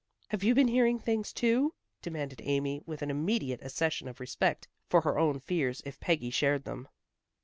"Have you been hearing things, too?" demanded Amy, with an immediate accession of respect for her own fears if Peggy shared them.